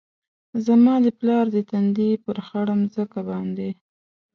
زما د پلار د تندي ، پر خړه مځکه باندي